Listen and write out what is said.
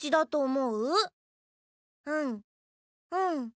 うんうん。